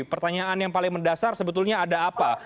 pertanyaan yang paling mendasar sebetulnya ada apa